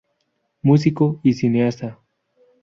Músico y cineasta".